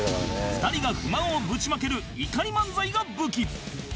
２人が不満をぶちまける怒り漫才が武器